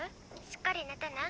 しっかり寝てね。